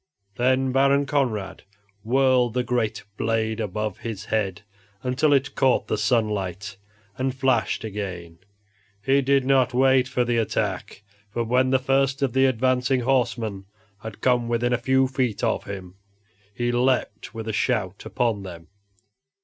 Then Baron Conrad whirled the great blade above his head, until it caught the sunlight and flashed again. He did not wait for the attack, but when the first of the advancing horsemen had come within a few feet of him, he leaped with a shout upon them.